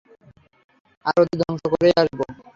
আর ওদের ধ্বংস করেই আসব।